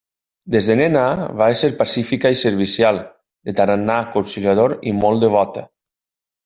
Des de nena, va ésser pacífica i servicial, de tarannà conciliador i molt devota.